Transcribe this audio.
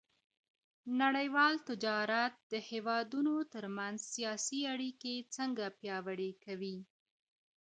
نړيوال تجارت د هېوادونو ترمنځ سياسي اړيکې څنګه پياوړې کوي؟